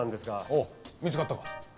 おお見つかったか？